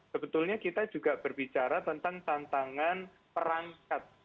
sebetulnya kita juga berbicara tentang tantangan perangkat